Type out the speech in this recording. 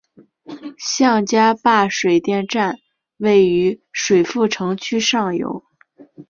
向家坝水电站位于水富城区上游。